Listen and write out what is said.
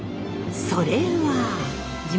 それは。